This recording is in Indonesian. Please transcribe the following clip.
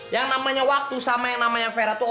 yang namanya waktu sama yang namanya ferah tuh